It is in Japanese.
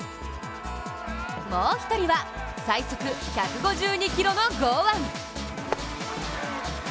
もう一人は、催促１５２キロの豪腕。